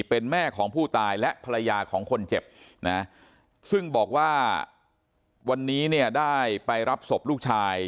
เป็นแม่ของผู้ตายและภรรยาของคนเจ็บนะซึ่งบอกว่าวันนี้เนี่ยได้ไปรับศพลูกชาย